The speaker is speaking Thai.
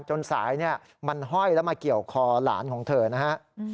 จนสายมันห้อยแล้วมาเกี่ยวคอหลานของเธอนะฮะ